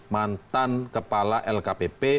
mantan kepala lkpp